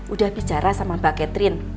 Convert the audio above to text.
udah bicara sama mbak catherine